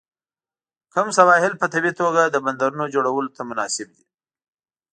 کوم سواحل په طبیعي توګه د بندرونو جوړولو ته مناسب دي؟